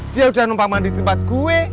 dia udah numpang mandi tempat gue